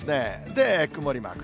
で、曇りマーク。